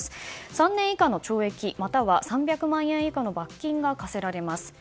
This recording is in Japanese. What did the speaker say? ３年以下の懲役または３００万円以下の罰金が科せられます。